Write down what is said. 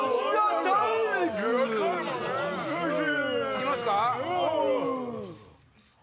いきますか？